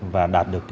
và đạt được cái